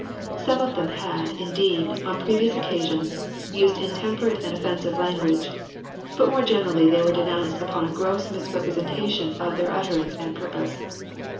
Some of them had, indeed, on previous occasions used intemperate and offensive language; but more generally they were denounced upon a gross misrepresentation of their utterance and purpose.